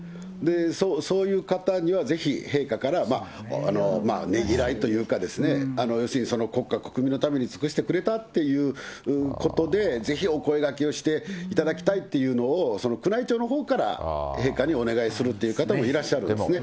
そういう方にはぜひ、陛下から、ねぎらいというか、ようするに国家、国民のために尽くしてくれたっていうことで、ぜひお声がけをしていただきたいっていうのを、宮内庁のほうから陛下にお願いするという方もいらっしゃるんですね。